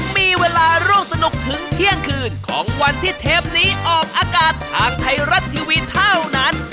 มีเวลาร่วมสนุกถึงเที่ยงคืนของวันที่เทปนี้ออกอากาศทางไทยรัฐทีวีเท่านั้น